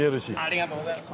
ありがとうございます。